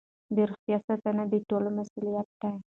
د روغتیا ساتنه د ټولو مسؤلیت دی.